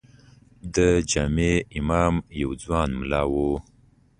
د جامع امام یو ځوان ملا و.